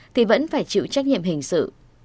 thì vẫn phải chịu trách nhiệm hình sự